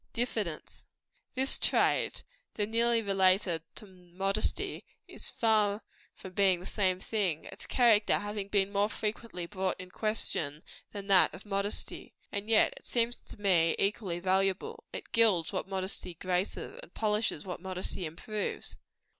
DIFFIDENCE. This trait, though nearly related to modesty, is far from being the same thing, its character having been more frequently brought in question than that of modesty. And yet it seems to me equally valuable. It gilds what modesty graces; and polishes what modesty improves.